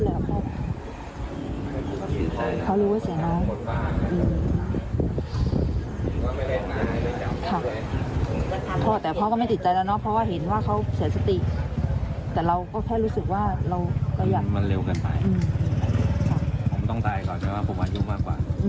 แต่เราก็แค่รู้สึกว่าเราก็อยากมันเร็วกันไปผมต้องตายก่อนเพราะว่าผมอายุมากกว่า